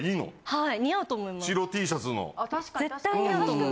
はい。